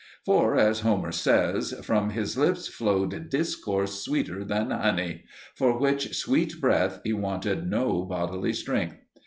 For, as Homer says, "from his lips flowed discourse sweeter than honey," for which sweet breath he wanted no bodily strength.